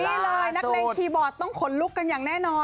นี่เลยนักเลงคีย์บอร์ดต้องขนลุกกันอย่างแน่นอน